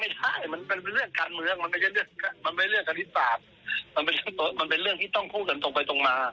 หลอกกันเองหรือเปล่าทางการเมืองเรื่องอะไรให้สอวอเป็นเหยื่อให้สอวอมาโหวตคว่ำ